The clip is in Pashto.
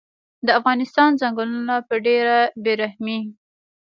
د افغانستان ځنګلونه په ډیره بیرحمۍ